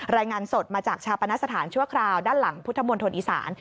รายงานสดมาจากชาปนสถานชั่วคราวด้านหลังพุทธมณฑลอีสาน